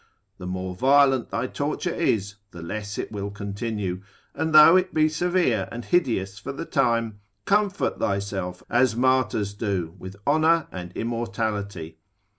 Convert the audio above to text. The more violent thy torture is, the less it will continue: and though it be severe and hideous for the time, comfort thyself as martyrs do, with honour and immortality.